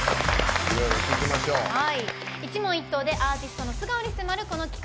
一問一答でアーティストの素顔に迫るこの企画。